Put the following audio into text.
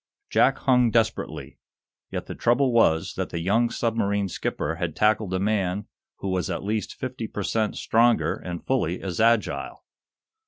Jack hung desperately. Yet the trouble was that the young submarine skipper had tackled a man who was at least fifty per cent. stronger and fully as agile.